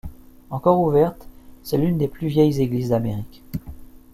Encore ouverte, c'est l'une des plus vieilles églises d'Amérique.